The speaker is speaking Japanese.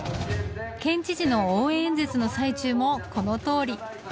県知事の応援演説の最中もこのとおり。